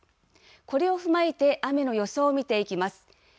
これを踏まえて、雨の予想を見ていきます。